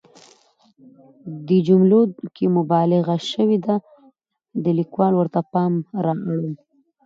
دې جملو کې مبالغه شوې ده، د ليکوال ورته پام رااړوم.